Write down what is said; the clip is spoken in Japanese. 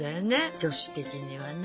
女子的にはね。